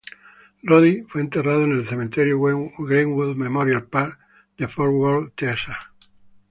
Roddy fue enterrado en el Cementerio Greenwood Memorial Park de Fort Worth, Texas.